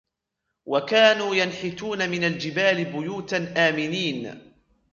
وكانوا ينحتون من الجبال بيوتا آمنين